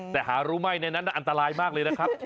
แต่หารู้ไหมในนั้นอันตรายมากเลยนะครับ